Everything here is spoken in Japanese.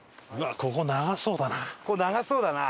ここ長そうだな。